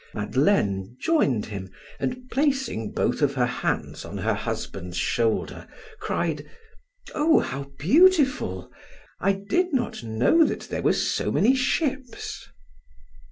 Madeleine joined him and placing both of her hands on her husband's shoulder, cried: "Oh, how beautiful! I did not know that there were so many ships!"